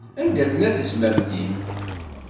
Anda tella tezmamt-im?